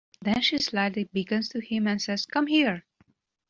Then she slightly beckons to him and says, "Come here!"